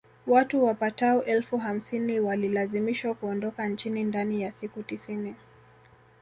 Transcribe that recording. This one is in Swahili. Watu wapatao elfu hamsini walilazimishwa kuondoka nchini ndani ya siku tisini